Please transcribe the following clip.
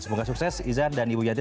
semoga sukses izan dan ibu yanti